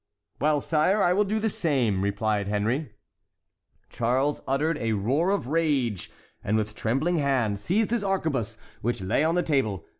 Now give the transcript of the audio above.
"Well, sire, I will do the same!" replied Henry. Charles uttered a roar of rage and, with trembling hand, seized his arquebuse, which lay on the table.